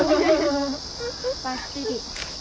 ばっちり。